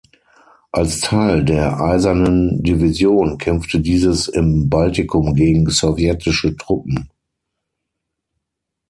Als Teil der Eisernen Division kämpfte dieses im Baltikum gegen sowjetische Truppen.